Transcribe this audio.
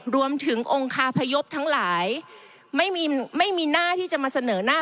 รวมถึงองค์คาพยพทั้งหลายไม่มีไม่มีหน้าที่จะมาเสนอหน้า